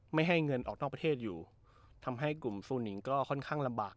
ไม่ให้เงินออกนอกประเทศอยู่ทำให้กลุ่มซูนิงก็ค่อนข้างลำบาก